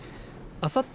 あさって